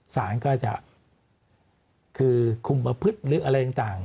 ศาลก็จะคุมพระพฤตและอะไรต่าง